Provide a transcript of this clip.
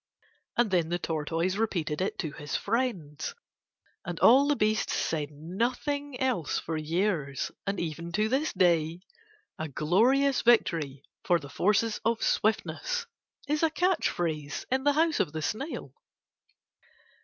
And then the Tortoise repeated it to his friends. And all the beasts said nothing else for years. And even to this day, "a glorious victory for the forces of swiftness" is a catch phrase in the house of the snail.